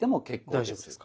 大丈夫ですか。